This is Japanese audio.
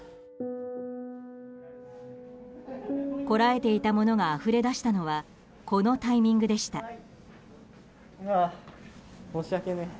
こらえていたものがあふれ出したのはこのタイミングでした。